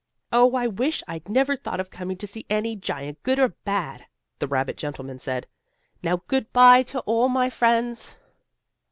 "Oh, I wish I'd never thought of coming to see any giant, good or bad," the rabbit gentleman said. "Now good by to all my friends!"